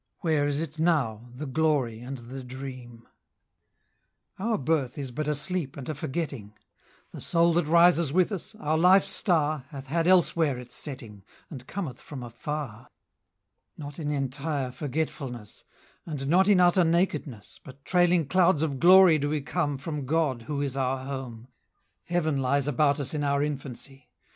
Where is it now, the glory and the dream? Our birth is but a sleep and a forgetting: The Soul that rises with us, our life's Star, 60 Hath had elsewhere its setting, And cometh from afar: Not in entire forgetfulness, And not in utter nakedness, But trailing clouds of glory do we come 65 From God, who is our home: Heaven lies about us in our infancy!